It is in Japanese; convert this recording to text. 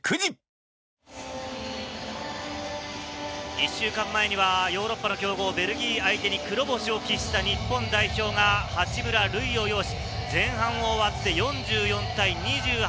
１週間前にはヨーロッパの強豪ベルギー相手に黒星を喫した日本代表が八村塁を擁し、前半終わって４４対２８。